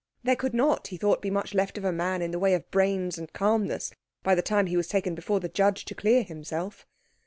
There could not, he thought, be much left of a man in the way of brains and calmness by the time he was taken before the judge to clear himself.